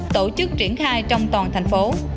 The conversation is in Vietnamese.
tổ chức triển khai trong toàn thành phố